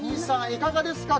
いかがですか？